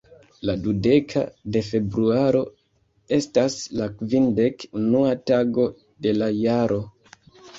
La dudeka de Februaro estas la kvindek-unua tago de la jaro.